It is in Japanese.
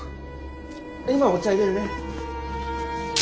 今お茶いれるね。